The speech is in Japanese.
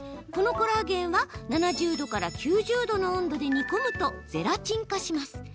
このコラーゲンは７０度から９０度の温度で煮込むと、ゼラチン化します。